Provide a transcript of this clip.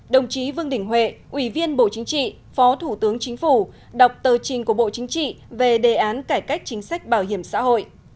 đồng chí vương đình huệ ủy viên bộ chính trị phó thủ tướng chính phủ đọc tờ trình của bộ chính trị về đề án cải cách chính sách bảo hiểm xã hội